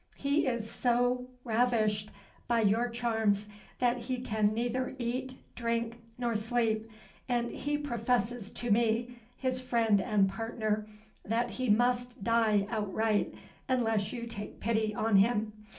"He is so ravished by your charms that he can neither eat, drink, nor sleep; and he professes to me, his friend and partner, that he must die outright, unless you take pity on him.